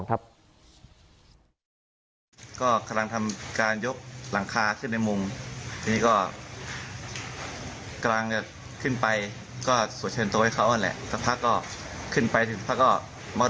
รอบ๒ก็เลยสวดใหม่